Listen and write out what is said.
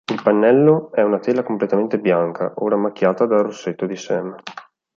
Il pannello è una tela completamente bianca, ora macchiata dal rossetto di Sam.